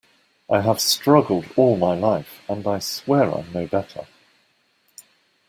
I have struggled all my life, and I swear I'm no better.